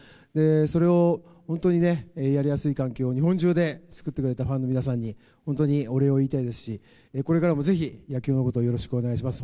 それを本当にね、やりやすい環境を日本中で作ってくれたファンの皆さんに、本当にお礼を言いたいですし、これからもぜひ、野球のことをよろしくお願いします。